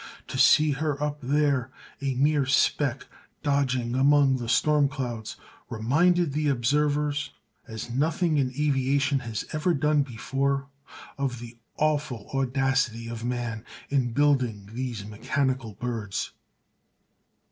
To see her up there, a mere speck dodging among the storm clouds, reminded the observers, as nothing in aviation has ever done before, of the awful audacity of man in building these mechanical birds.